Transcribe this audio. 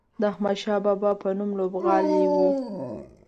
د احمدشاه بابا په نوم لوبغالی و.